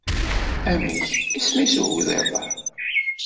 Amek isem-is i ugḍiḍ-a?